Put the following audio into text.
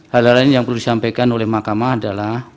hal hal lain yang perlu disampaikan oleh mahkamah adalah